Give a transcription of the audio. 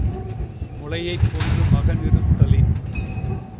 முளையைப்போன்று மகனிருத்தலின்